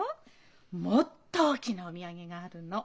もっと大きなお土産があるの。